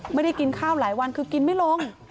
ไม่ได้กินข้าวหลายวันคือกินไม่ลง